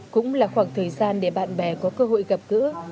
cũng là khoảng thời gian để bạn bè có cơ hội gặp gỡ